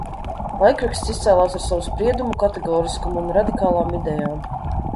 Laikraksts izcēlās ar savu spriedumu kategoriskumu un radikālām idejām.